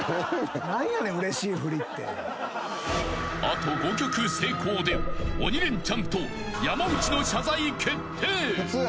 ［あと５曲成功で鬼レンチャンと山内の謝罪決定］